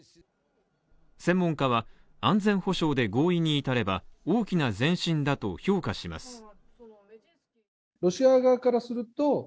専門家は安全保障で合意に至れば大きな前進だと評価します。